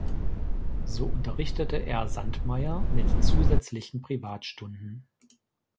So unterrichtete er Sandmeier mit zusätzlichen Privatstunden.